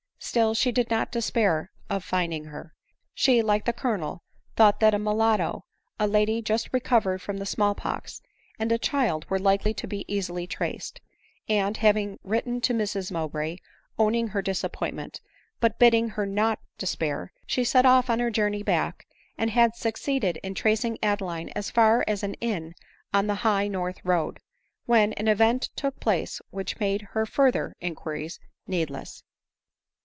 Still she did not despair of finding her ; she, like the Colonel, thought that a mulatto, a lady just recovered from the small pox, and a child, were likely to be easily traced ; and having written to Mrs Mowbray, owning her disappointment, but bidding her not despair, she set off on her journey back, and had succeeded in tracing Adeline as far as an inn on the high north road — when an event took place which made her further inquiries needless.